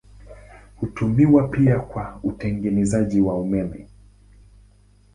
Hutumiwa pia kwa utengenezaji wa umeme.